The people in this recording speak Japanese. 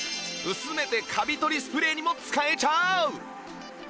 薄めてカビ取りスプレーにも使えちゃう